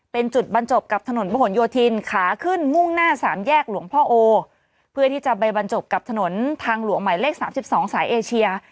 เพื่อที่จะไปบรรจบกับถนนทางหลวงใหม่เลขสามสิบสองสายเอเชีย